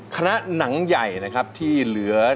หนังใหญ่นะครับที่เหลือ